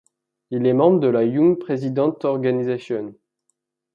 Il est membre de la Young Presidents' Organization.